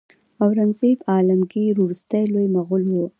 اورنګزیب عالمګیر وروستی لوی مغول و.